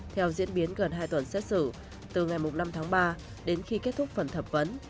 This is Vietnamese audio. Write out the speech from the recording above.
theo diễn biến gần hai tuần xét xử từ ngày năm tháng ba đến khi kết thúc phần thẩm vấn